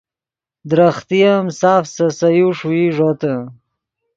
درختے ام ساف سے سے یو ݰوئی ݱوتے